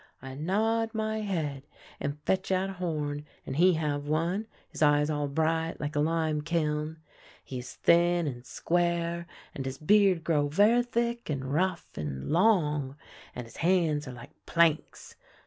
I nod my head, and fetch out a horn, and he have one, his eyes all bright like a lime kiln. He is thin and square, and his beard grow ver' thick and rough and long, and his hands are like planks.